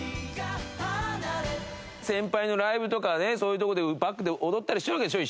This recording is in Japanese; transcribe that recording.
先輩のライブとかねそういうとこでバックで踊ったりしてるわけでしょ？